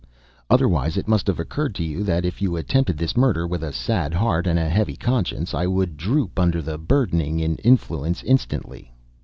Other wise it must have occurred to you that if you attempted this murder with a sad heart and a heavy conscience, I would droop under the burdening in influence instantly.